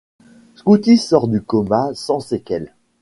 Scotty sort du coma sans séquelles.